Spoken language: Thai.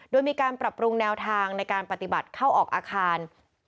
โดยมีการปรับปรุงแนวทางในการปฏิบัติเข้าออกอาคาร